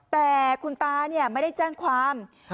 แต่คุณตาไม่ได้แจ้งความ